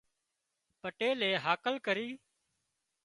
پٽيلئي هاڪل ڪرِي